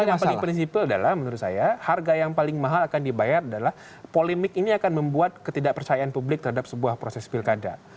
tapi yang paling prinsipil adalah menurut saya harga yang paling mahal akan dibayar adalah polemik ini akan membuat ketidakpercayaan publik terhadap sebuah proses pilkada